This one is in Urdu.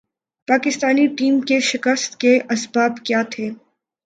پاکستانی ٹیم کے شکست کے اسباب کیا تھے ۔